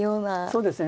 そうですね。